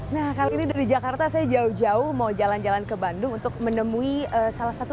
nah kali ini dari jakarta saya jauh jauh mau jalan jalan ke bandung untuk menemui salah satu